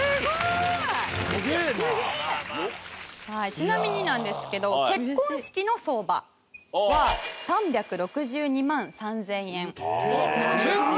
ちなみになんですけど結婚式の相場は３６２万３０００円なんですよ。